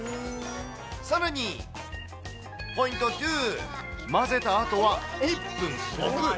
さらに、ポイント２、混ぜたあとは、１分置く。